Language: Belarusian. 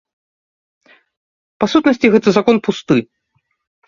Па сутнасці, гэты закон пусты.